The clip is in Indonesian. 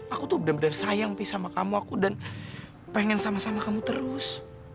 aku tuh bener bener sayang sih sama kamu aku dan pengen sama sama kamu terus